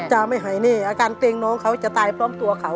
จะไม่หายนี่อาการเกรงน้องเขาจะตายพร้อมตัวเขา